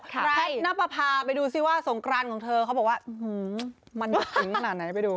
แพทย์นับประพาไปดูซิว่าสงกรานของเธอเขาบอกว่ามันถึงขนาดไหนไปดู